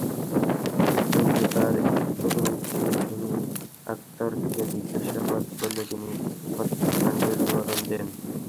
কিন্তু তাঁর প্রথম স্ত্রী ঝুনু আকতারকে জিজ্ঞাসাবাদ করলে তিনি হত্যাকাণ্ডের বিবরণ দেন।